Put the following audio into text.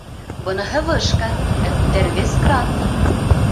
Быныһы вышка, ә күтәргес кран.